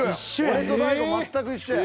俺と大悟全く一緒や。